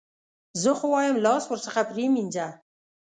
زه خو وایم لاس ورڅخه پرې مینځه.